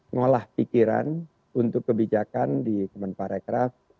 ngolah pikiran untuk kebijakan di kemenparekraf